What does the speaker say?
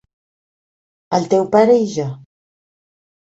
El teu pare i jo.